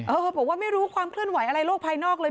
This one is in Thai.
เธอบอกว่าไม่รู้ความเคลื่อนไหวอะไรโลกภายนอกเลย